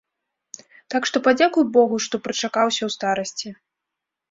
Так што падзякуй богу, што прычакаўся ў старасці.